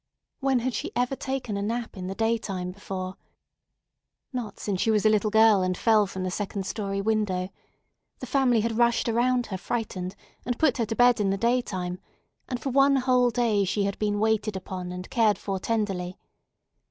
When had she ever taken a nap in the daytime before? Not since she was a little girl and fell from the second story window. The family had rushed around her frightened, and put her to bed in the daytime; and for one whole day she had been waited upon and cared for tenderly.